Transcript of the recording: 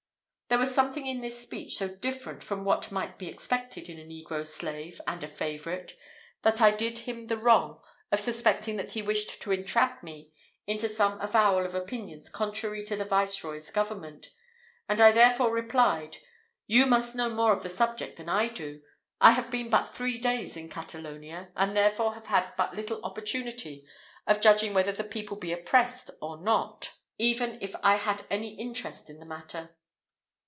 There was something in this speech so different from what might be expected in a negro slave and a favourite, that I did him the wrong of suspecting that he wished to entrap me into some avowal of opinions contrary to the Viceroy's government; and I therefore replied, "You must know more of the subject than I do; I have been but three days in Catalonia, and therefore have had but little opportunity of judging whether the people be oppressed or not, even if I had any interest in the matter."